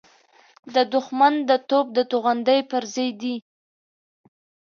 د دښمن د توپ د توغندۍ پرزې دي.